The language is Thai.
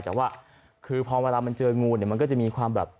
แต่ว่าคือพอเวลามันเจองูเนี่ยมันก็จะมีความแบบ